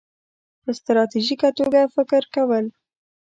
-په ستراتیژیکه توګه فکر کول